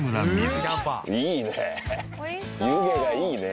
いいね。